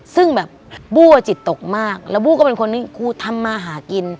ซึ่งแบบบู้อจิตตกมากแล้วบู้ก็เป็นคนที่กูทำมาหากิน